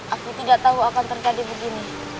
aku tidak tahu akan terjadi begini